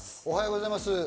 おはようございます。